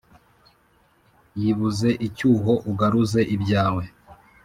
yibuze icyuho ugaruze ibyawe